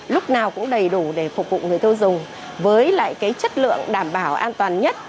lúc nào cũng đầy đủ để phục vụ người tiêu dùng với lại cái chất lượng đảm bảo an toàn nhất